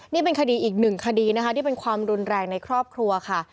นี่เป็นคดีอีกหนึ่งคดีนะคะที่เป็นความรุนแรงในครอบครัวค่ะ